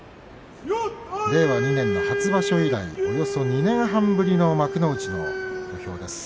令和２年の初場所以来およそ２年半ぶりの幕内の土俵です。